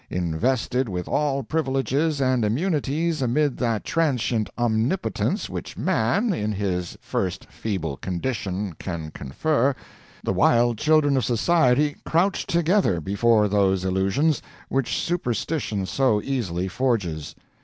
Invested with all privileges and immunities, amid that transcient omnipotence which man, in his first feeble condition, can confer, the wild children of society crouched together before those illusions which superstition so easily forges.